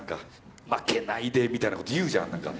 負けないでみたいなことを言うじゃんなんか。